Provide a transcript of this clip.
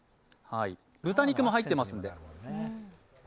豚肉も入ってますんで。